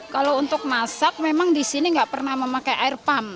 kalau untuk masak memang di sini nggak pernah memakai air pump